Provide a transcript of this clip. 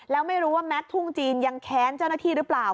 แล้วไม่รู้ว่าแมททุ่งจีนยังแค้นเจ้าหน้าที่หรือเปล่า